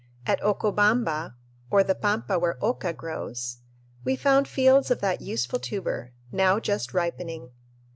At Occobamba, or the pampa where oca grows, we found fields of that useful tuber, just now ripening.